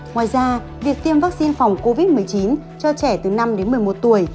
ngoài ra việc tiêm vaccine phòng covid một mươi chín cho trẻ từ năm đến một mươi một tuổi